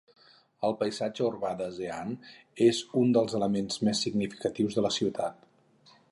El paisatge urbà de Zeehan és un dels elements més significatius de la ciutat.